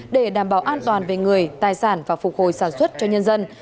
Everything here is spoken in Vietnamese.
để đảm bảo an toàn về người tài sản và phục hồi sản xuất cho nhân dân